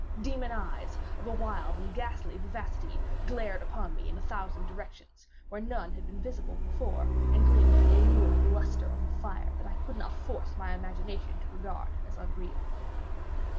Demon eyes, of a wild and ghastly vivacity, glared upon me in a thousand directions, where none had been visible before, and gleamed with the lurid lustre of a fire that I could not force my imagination to regard as unreal.